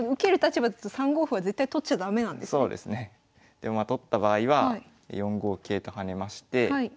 でまあ取った場合は４五桂と跳ねまして。